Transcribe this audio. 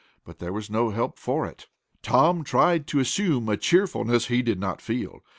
But there was no help for it. Tom tried to assume a cheerfulness he did not feel.